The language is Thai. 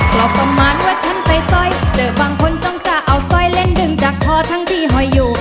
หลอกประมาณว่าฉันใสสอยเจอบางคนต้องจะเอาซอยลึงดึงจากพอทั้งที่หอยอยู่